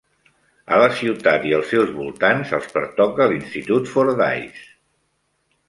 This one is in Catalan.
A la ciutat i els seus voltants els pertoca l'Institut Fordyce.